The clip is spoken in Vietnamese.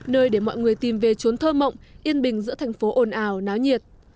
nơi để mọi người tìm về trốn thơ mộng yên bình giữa thành phố ồn ào náo nhiệt